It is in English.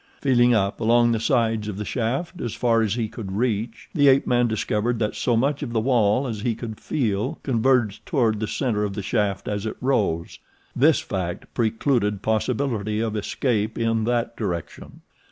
Feeling up along the sides of the shaft as far as he could reach, the ape man discovered that so much of the wall as he could feel converged toward the center of the shaft as it rose. This fact precluded possibility of escape in that direction.